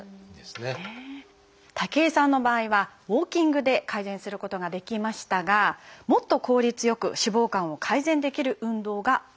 武井さんの場合はウォーキングで改善することができましたがもっと効率良く脂肪肝を改善できる運動があるんです。